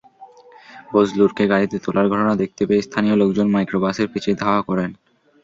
বজলুরকে গাড়িতে তোলার ঘটনা দেখতে পেয়ে স্থানীয় লোকজন মাইক্রোবাসের পিছে ধাওয়া করেন।